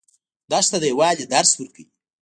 دښته د یووالي درس ورکوي.